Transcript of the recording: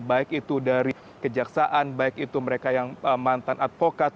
baik itu dari kejaksaan baik itu mereka yang mantan advokat